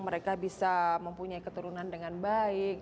mereka bisa mempunyai keturunan dengan baik